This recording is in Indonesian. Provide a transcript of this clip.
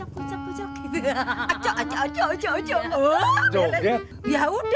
eh masuklah dulu